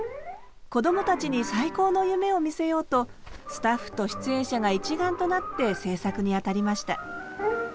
「こどもたちに最高の夢を見せよう」とスタッフと出演者が一丸となって制作にあたりました。